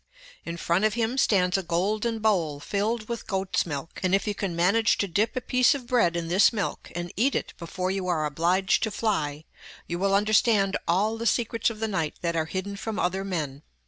In front of him stands a golden bowl filled with goats' milk, and if you can manage to dip a piece of bread in this milk, and eat it before you are obliged to fly, you will understand all the secrets of the night that are hidden from other men.